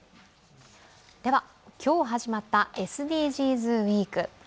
今日始まったＳＤＧｓウイーク。